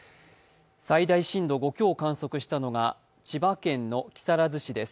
最大震度５強を観測したのが千葉県の木更津市です。